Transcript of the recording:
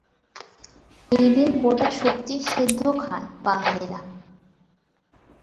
এই দিন গোটা সবজি সেদ্ধ খান বাঙালিরা।